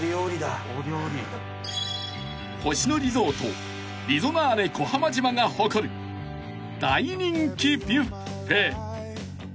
［星野リゾートリゾナーレ小浜島が誇る大人気］